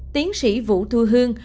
tiến sĩ vũ thu hương